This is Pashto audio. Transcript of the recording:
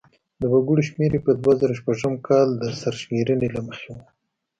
د وګړو شمیر یې په دوه زره شپږم کال د سرشمېرنې له مخې و.